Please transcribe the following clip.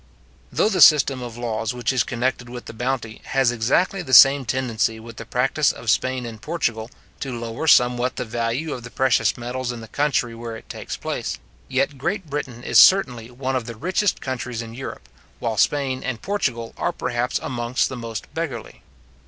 Though the system of laws which is connected with the bounty, has exactly the same tendency with the practice of Spain and Portugal, to lower somewhat the value of the precious metals in the country where it takes place; yet Great Britain is certainly one of the richest countries in Europe, while Spain and Portugal are perhaps amongst the most beggarly.